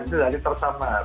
itu dari tersemat